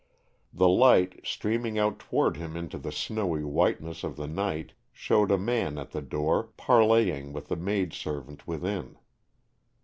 The light, streaming out toward him into the snowy whiteness of the night, showed a man at the door, parleying with the maid servant within.